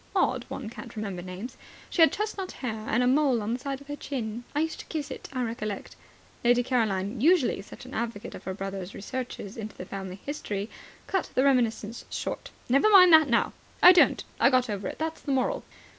Odd one can't remember names. She had chestnut hair and a mole on the side of her chin. I used to kiss it, I recollect " Lady Caroline, usually such an advocate of her brother's researches into the family history, cut the reminiscences short. "Never mind that now." "I don't. I got over it. That's the moral."